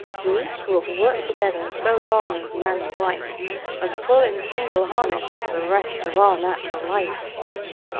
We, who have worked together so long as man and wife, Must pull in single harness for the rest of our nat'ral life.